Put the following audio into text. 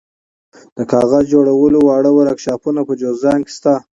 د کاغذ جوړولو واړه ورکشاپونه په جوزجان کې شته.